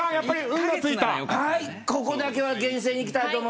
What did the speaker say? ここだけは厳正にいきたいと。